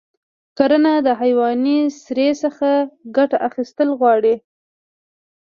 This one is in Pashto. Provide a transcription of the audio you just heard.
کرنه د حیواني سرې څخه ګټه اخیستل غواړي.